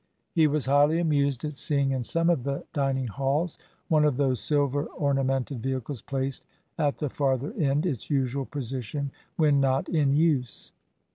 He was highly amused at seeing in some of the dining halls one of those silver ornamented vehicles placed at the farther end, its usual position when not in use.